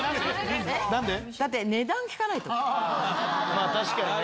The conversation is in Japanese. まあ確かにね。